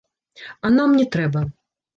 А нам не трэба.